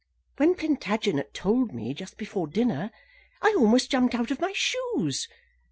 When Plantagenet told me, just before dinner, I almost jumped out of my shoes.